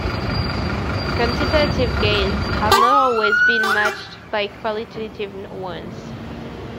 The quantitative gains have not always been matched by qualitative ones.